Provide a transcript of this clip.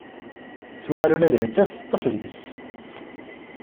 Tuɣal ula d nettat teṭṭef deg-s.